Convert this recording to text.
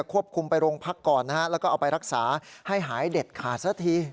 ควบคุมไปโรงพักก่อนนะฮะแล้วก็เอาไปรักษาให้หายเด็ดขาดซะที